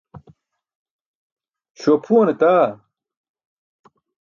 Śuwa phuwan eta.